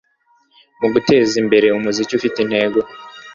mu guteza imbere umuziki ufite intego